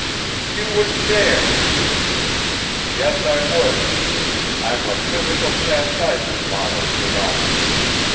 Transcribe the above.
"You wouldn't dare!" "Yes I would I'm a physical chastisement model, you know.